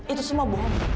itu semua bohong